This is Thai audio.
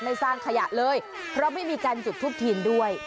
สร้างขยะเลยเพราะไม่มีการจุดทูปเทียนด้วย